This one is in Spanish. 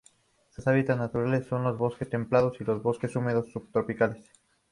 Su hábitat natural son los bosques templados y los bosques húmedos subtropicales.